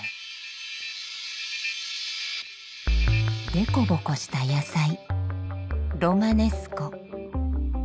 でこぼこした野菜ロマネスコ。